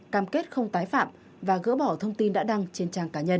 cam kết không tái phạm và gỡ bỏ thông tin đã đăng trên trang cá nhân